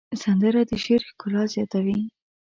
سندره د شعر ښکلا زیاتوي